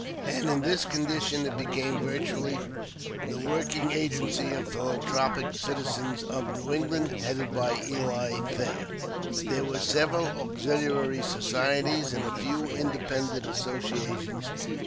"] and in this condition it became virtually the working agency of philanthropic citizens of New England, headed by Eli Thayer. There were several auxiliary societies and a few independent associations.